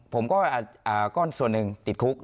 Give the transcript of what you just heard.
ผมก็ส่วนหนึ่งติดคุก